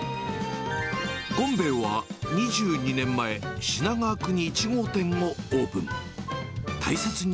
権米衛は、２２年前、品川区に１号店をオープン。